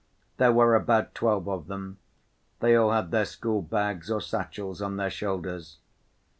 There were about twelve of them, they all had their school‐bags or satchels on their shoulders.